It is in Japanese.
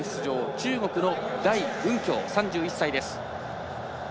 中国の代雲強３１歳です。